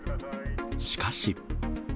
しかし。